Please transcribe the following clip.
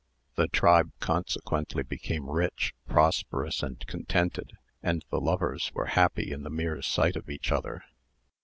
The tribe consequently became rich, prosperous, and contented, and the lovers were happy in the mere sight of each other.